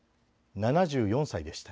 ７４歳でした。